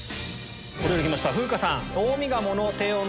お料理きました風花さん。